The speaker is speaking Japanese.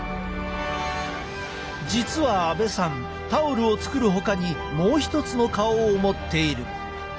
実は阿部さんタオルを作るほかにもう一つの顔を持っている。